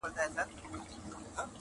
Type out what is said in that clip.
مرغکیو به نارې پسي وهلې؛